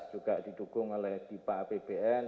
juga didukung oleh dipa apbn